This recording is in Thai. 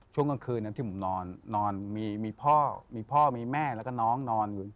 ช่วงกลางคืนนั้นที่ผมนอนมีพ่อมีพ่อมีแม่แล้วก็น้องนอนอยู่